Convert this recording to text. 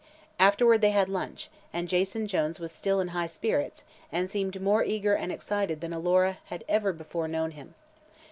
Afterward they had lunch, and Jason Jones was still in high spirits and seemed more eager and excited than Alora had ever before known him.